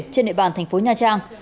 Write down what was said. trên địa bàn thành phố nha trang